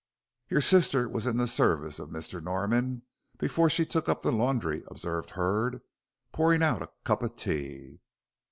"Your sister was in the service of Mr. Norman before she took up the laundry," observed Hurd, pouring out a cup of tea.